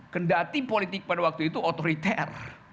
kendati politik pada waktu itu otoriter